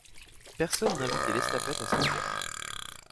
Personne n'invitait l'estafette à s'asseoir.